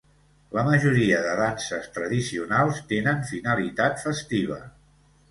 La majoria de danses tradicionals tenen finalitat festiva.